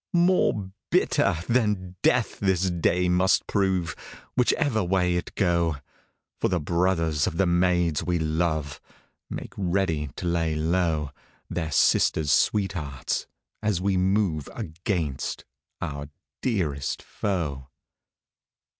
More bitter than death this day must prove Whichever way it go, 156 Charles I For the brothers of the maids we love Make ready to lay low Their sisters' sweethearts, as we move Against our dearest foe.